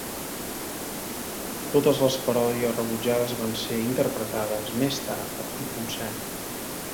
Totes les paròdies rebutjades van ser interpretades més tard en concert.